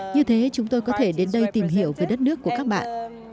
như thế chúng tôi có thể đến đây tìm hiểu về đất nước của các bạn